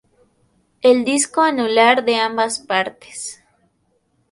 El disco anular de ambas partes.